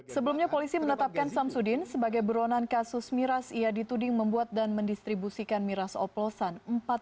sebelumnya polisi menetapkan samsudin sebagai buronan kasus miras ia dituding membuat dan mendistribusikan miras oplosan